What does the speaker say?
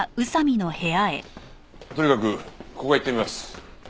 とにかくここへ行ってみます。